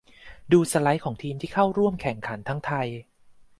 ดูสไลด์ของทีมที่เข้าร่วมแข่งขันทั้งไทย